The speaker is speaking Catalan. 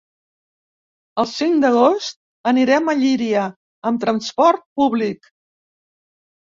El cinc d'agost anirem a Llíria amb transport públic.